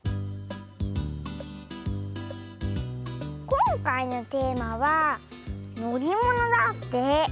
こんかいのテーマは「のりもの」だって。